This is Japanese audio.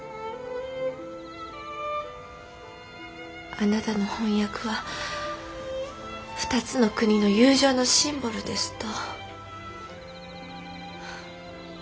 「あなたの翻訳は二つの国の友情のシンボルです」と。